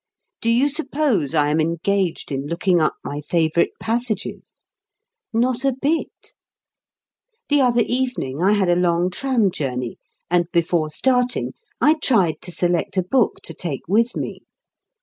Do you suppose I am engaged in looking up my favourite passages? Not a bit. The other evening I had a long tram journey, and, before starting, I tried to select a book to take with me.